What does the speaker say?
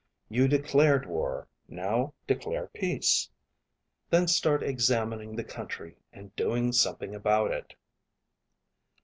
You declared war. Now declare peace. Then start examining the country and doing something about it."